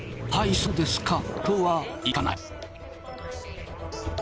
そうですかとはいかない。